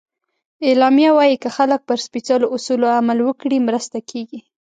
اعلامیه وایي که خلک پر سپیڅلو اصولو عمل وکړي، مرسته کېږي.